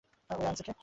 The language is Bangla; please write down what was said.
ওরে আনছে কে?